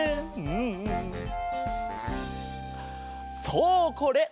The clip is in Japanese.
そうこれ！